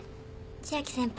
千秋先輩。